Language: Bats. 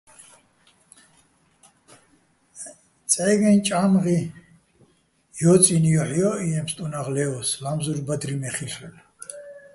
წე́გეჼ ჭა́მღი ჲო́წინო̆ ჲოჰ̦ ჲო́ჸჲიეჼ ფსტუნაღ ლე́ოს, ლა́მზურ ბადრი მე́ ხილ'რალო̆.